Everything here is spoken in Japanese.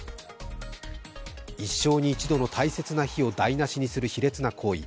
一生に一度の大切な日を台なしにする卑劣な行為。